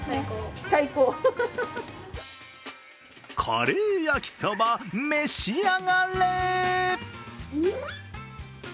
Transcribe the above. カレー焼きそば、召し上がれ。